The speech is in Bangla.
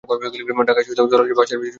ঢাকার সহিত সরাসরি বাস সার্ভিস চালু আছে।